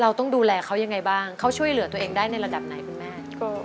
ต้องดูแลเขายังไงบ้างเขาช่วยเหลือตัวเองได้ในระดับไหนคุณแม่